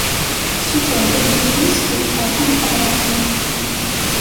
Issufeɣ-d agdud-is di lferḥ ameqqran.